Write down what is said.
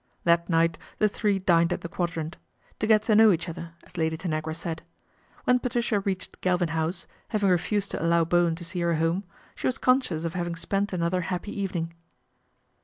That night the three dined at the Quadrant " to get to know each other," as Lady Tanagi; said. When Patricia reached Galvin House having refused to allow Bowen to see her home she was conscious of having spent another happ; evening.